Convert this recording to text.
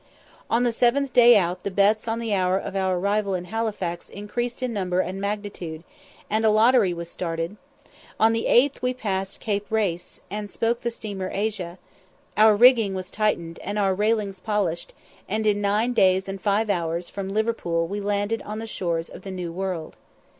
On the seventh day out the bets on the hour of our arrival at Halifax increased in number and magnitude, and a lottery was started; on the eighth we passed Cape Race, and spoke the steamer Asia; our rigging was tightened, and our railings polished; and in nine days and five hours from Liverpool we landed on the shores of the New World.